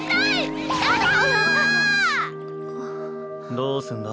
どうすんだ？